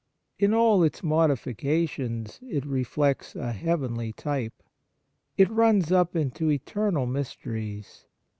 In all its modifications it reflects a heavenly type. It runs up into eternal mysteries.